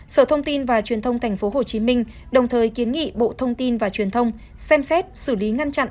sở thông tin và truyền thông tp hcm đồng thời kiến nghị bộ thông tin và truyền thông xem xét xử lý ngăn chặn